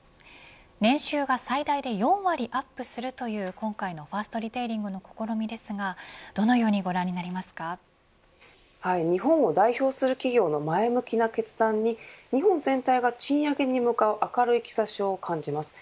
年収が最大で４割アップするという今回のファーストリテイリングの試みですが日本を代表する企業の前向きな決断に日本全体が、賃上げに向かう明るい兆しを感じます。